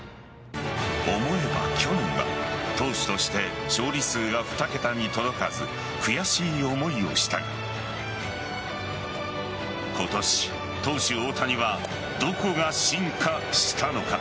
思えば去年は投手として勝利数が２桁に届かず悔しい思いをしたが今年、投手・大谷はどこが進化したのか。